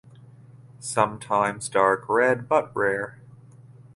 Sometimes dark red but rare.